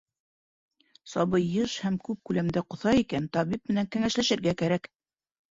Сабый йыш һәм күп күләмдә ҡоҫа икән, табип менән кәңәшләшергә кәрәк.